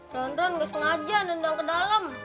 ronron gak sengaja nendang ke dalam